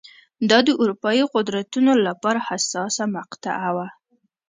دا د اروپايي قدرتونو لپاره حساسه مقطعه وه.